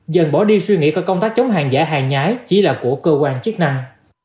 dần bỏ đi suy nghĩ coi công tác chống hàng giả hàng nhái chỉ là của cơ quan chức năng